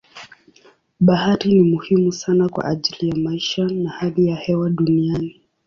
Bahari ni muhimu sana kwa ajili ya maisha na hali ya hewa duniani.